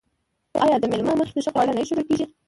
آیا د میلمه مخې ته ښه خواړه نه ایښودل کیږي؟